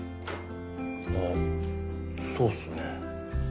ああそうっすね。